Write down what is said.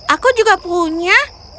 aku juga punya